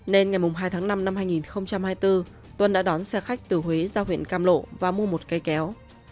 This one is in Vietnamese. nên ngày hai tháng năm năm hai nghìn hai mươi bốn tuân đã đón xe khách từ huế ra huyện cam lộ và mua một cây kéo